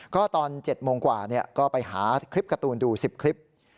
ก็ตอน๗โมงกว่าก็ไปหาคลิปการ์ตูนดู๑๐คลิป